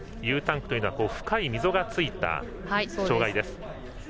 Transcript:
Ｕタンクというのは深い溝がついた障害です。